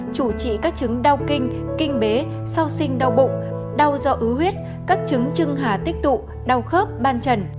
chủ trị các chứng đau kinh kinh bế sau sinh đau bụng đau do ứ huyết các chứng trưng hà tích tụ đau khớp ban trần